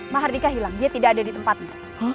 mahardika hilang dia tidak ada di tempatnya